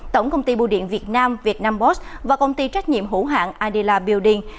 tổng công ty bưu điện việt nam việt nam boss và công ty trách nhiệm hữu hạng adela building